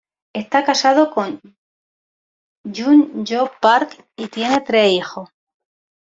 Está casado con Young-Joo Park y tiene tres hijos.